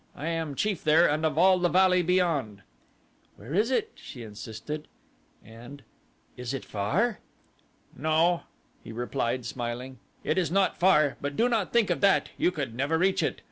"I am chief there and of all the valley beyond." "Where is it?" she insisted, and "is it far?" "No," he replied, smiling, "it is not far, but do not think of that you could never reach it.